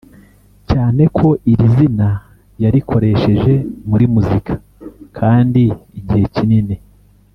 cyane ko iri zina yarikoresheje muri muzika kandi igihe kinini